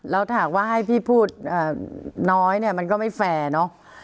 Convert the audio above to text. แล้วถามว่าให้พี่พูดน้อยเนี่ยมันก็ไม่แฟร์เนาะ